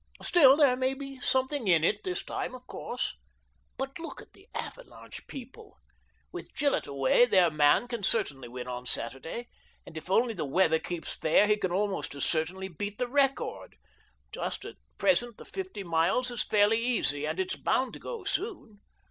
Still there may be something in it this time, of course. But look at the 'Avalanche' people. With Gillett away their man can certainly win on Saturday, and if only the weather keeps fair he can almost as certainly beat the record; just at present the fifty miles is fairly easy, and it's bound to go soon.